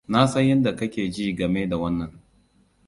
Nasan yadda kake ji game da wannan.